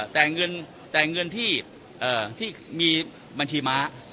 แต่เงินที่มีบัญชีม้า